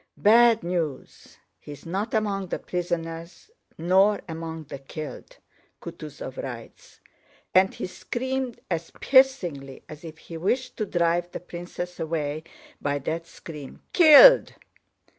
"Bad news! He's not among the prisoners nor among the killed! Kutúzov writes..." and he screamed as piercingly as if he wished to drive the princess away by that scream... "Killed!"